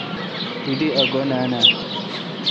تو دی ا گو°نان آہ۔